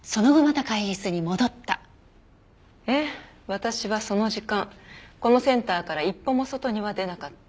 私はその時間このセンターから一歩も外には出なかった。